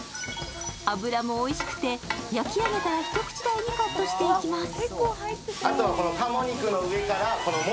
脂もおいしくて、焼き上げたら一口大にカットしていきます。